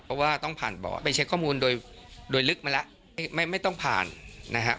เพราะว่าต้องผ่านบอร์ดไปเช็คข้อมูลโดยลึกมาแล้วไม่ต้องผ่านนะฮะ